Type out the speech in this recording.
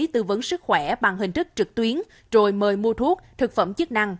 tư vấn sức khỏe bằng hình thức trực tuyến rồi mời mua thuốc thực phẩm chức năng